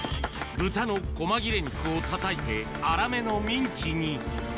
豚のこま切れ肉をたたいて粗めのミンチに。